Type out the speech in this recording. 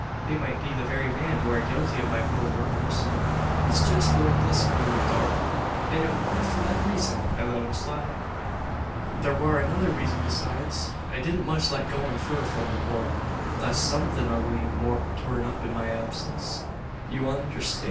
They might be the very men who are guilty of my poor brother's " "That's jest what this coon thort, an it war for that reezun I let 'em slide. There war another reezun besides. I didn't much like goin' fur from the Port, leest somethin' ugly mout turn up in my absince. You unnerstan'?